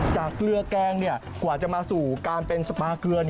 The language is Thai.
เกลือแกงกว่าจะมาสู่การเป็นสปาเกลือ